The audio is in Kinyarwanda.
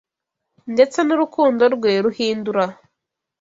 ndetse n’urukundo rwe ruhindura